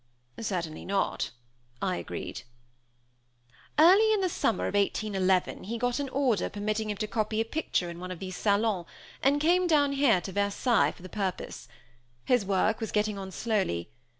"Certainly not," I agreed. "Early in the summer of 1811 he got an order permitting him to copy a picture in one of these salons, and came down here, to Versailles, for the purpose. His work was getting on slowly.